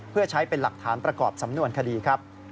เพื่อใช้เป็นหลักฐานประกอบสำนวนคดีครับ